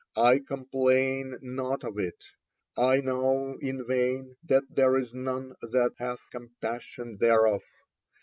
I complain not of it. I know it vain, for there is none that hath compassion thereof.